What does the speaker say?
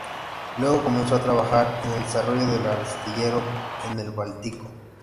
Luego comenzó a trabajar en el desarrollo del astillero en el Báltico.